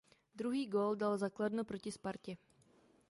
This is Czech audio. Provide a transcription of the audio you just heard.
Druhý gól dal za Kladno proti Spartě.